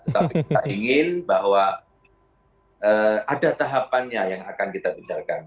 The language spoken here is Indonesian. tetapi kita ingin bahwa ada tahapannya yang akan kita bicarakan